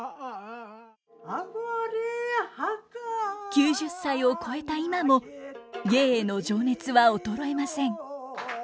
９０歳を超えた今も芸への情熱は衰えません。